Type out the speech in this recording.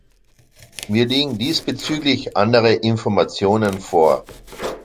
Mir liegen diesbezüglich andere Informationen vor.